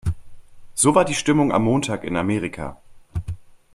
So war die Stimmung am Montag in Amerika.